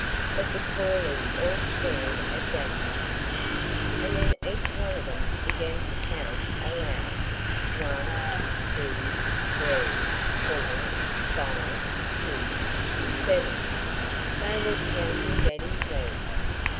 But the callers all stared at Daddy. And then each one of them began to count aloud: "One, two, three, four, five, six, seven " They were counting Daddy's legs.